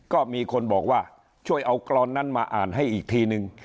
ก็มีคนบอกว่าช่วยเอากรอนนั้นมาอ่านให้อีกทีนึง